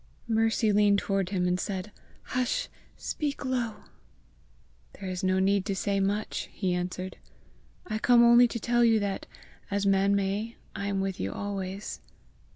Mercy leaned toward him and said, "Hush! speak low." "There is no need to say much," he answered. "I come only to tell you that, as man may, I am with you always."